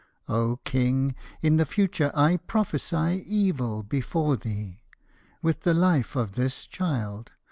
O King, in the future 1 prophesy evil before thee, With the life of this child.